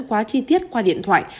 quá chi tiết qua điện thoại